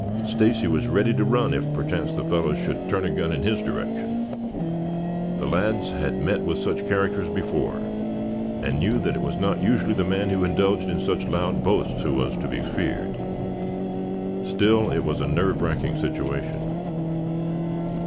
Stacy was ready to run if, perchance, the fellow should turn a gun in his direction. The lads had met with such characters before, and knew that it was not usually the man who indulged in such loud boasts who was to be feared. Still, it was a nerve racking situation.